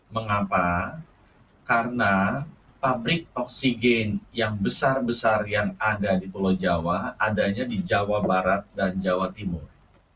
mengapa karena pabrik oksigen yang besar besar yang ada di pulau jawa adanya di jawa barat dan jawa timur